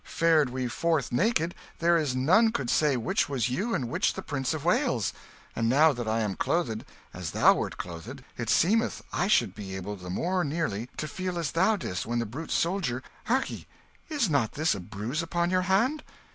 Fared we forth naked, there is none could say which was you, and which the Prince of Wales. And, now that I am clothed as thou wert clothed, it seemeth I should be able the more nearly to feel as thou didst when the brute soldier Hark ye, is not this a bruise upon your hand?"